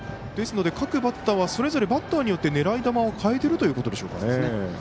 ですから、各バッターはそれぞれバッターによって狙い球を変えてるということでしょうか。